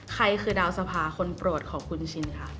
ใครคือดาวสภาคนโปรดของคุณชินค่ะ